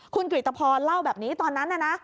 คุณกริตภรเล่าแบบนี้ตอนนั้นน่ะนะ